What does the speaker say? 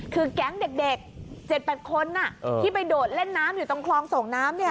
คือแก๊งเด็ก๗๘คนที่ไปโดดเล่นน้ำอยู่ตรงคลองส่งน้ำเนี่ย